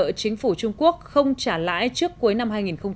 nợ chính phủ trung quốc không trả lãi trước cuối năm hai nghìn một mươi tám